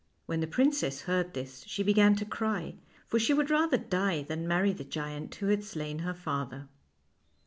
When the princess heard this she began to cry, for she would rather die than marry the giant who had slain her father.